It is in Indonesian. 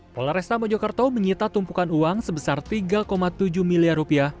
polresta mojokerto menyita tumpukan uang sebesar tiga tujuh miliar rupiah